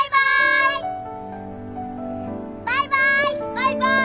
バイバイ。